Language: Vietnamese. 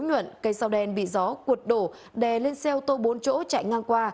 cây xao đen bị gió cuột đổ đè lên xe ô tô bốn chỗ chạy ngang qua